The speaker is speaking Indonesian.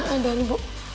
ah dani bu